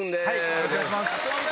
よろしくお願いします。